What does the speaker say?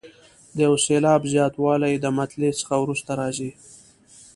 د یو سېلاب زیاتوالی د مطلع څخه وروسته راځي.